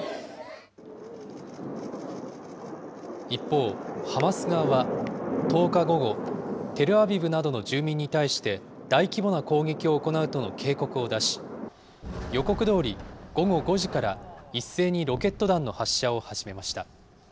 一方、ハマス側は、１０日午後、テルアビブなどの住民に対して、大規模な攻撃を行うとの警告を出し、予告どおり、午後５時から一斉にロケット弾の発射を始めました。